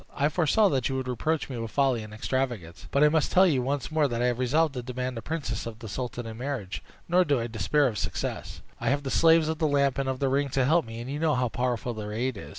I foresaw that you would reproach me with folly and extravagance; but I must tell you once more that I am resolved to demand the princess of the sultan in marriage, nor do I despair of success. I have the slaves of the Lamp and of the Ring to help me, and you know how powerful their aid is.